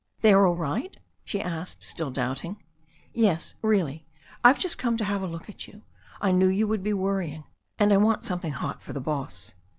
They are all right?" she asked, still doubting. 'Yes, really. I've just come to have a look at you. I knew you would be worrying. And I want something hot for the boss."